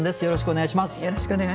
よろしくお願いします。